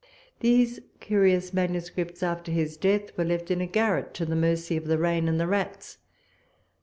These curious manuscripts, after his death, were left in a garret to the mercy of the rain and the rats.